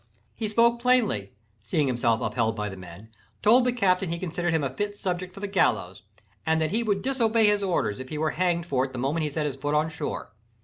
He spoke plainly, seeing himself upheld by the men, told the captain he considered him a fit subject for the gallows, and that he would disobey his orders if he were hanged for it the moment he set his foot on shore.